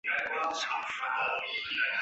所以一期工程仅剩引渠进水闸需要修建。